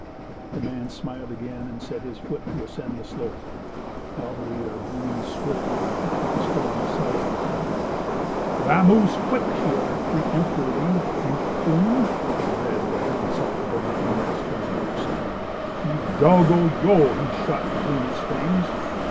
The man smiled again, and set his foot to ascend the slope. Alvarita leaned swiftly and picked up a stone the size of a cocoanut. "Vamoose, quick," she ordered peremptorily, "you coon!" The red of insult burned through the Mexican's dark skin. "Hidalgo, Yo!" he shot between his fangs.